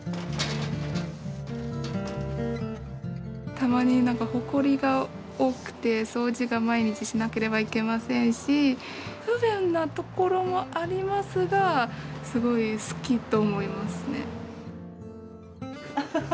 たまに何かほこりが多くて掃除が毎日しなければいけませんし不便なところもありますがすごい好きと思いますね。